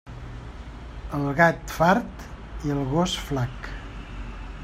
El gat, fart; i el gos, flac.